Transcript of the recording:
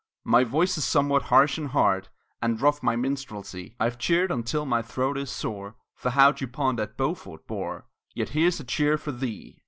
My voice is somewhat harsh and hard, And rough my minstrelsy. I've cheered until my throat is sore For how Dupont at Beaufort bore; Yet here's a cheer for thee!